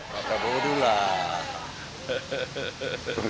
pak prabowo dulu lah